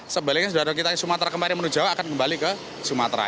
sebaliknya saudara saudara kita yang sumatera kemarin mudik jawa akan kembali ke sumatera